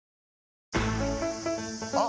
あ！